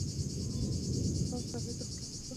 واوره د افغانستان د طبیعت د ښکلا برخه ده.